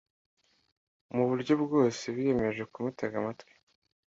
mu buryo bwose, biyemeje kumutega amatwi.